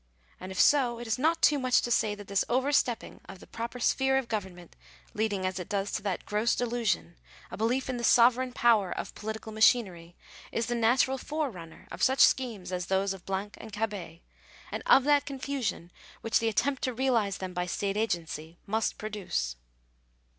And if so, it is not too much to say that this overstepping of the proper sphere of government, leading as it does to that " gross delusipn," a belief in " the sovereign power of political machinery," is the natural forerunner of such schemes as those of Blanc and Cabet, and of that confusion which the attempt to realize them by state agency must pro duce.